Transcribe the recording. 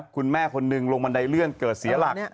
คุณแม่คนหนึ่งลงบันไดเลื่อนเกิดเสียหลัก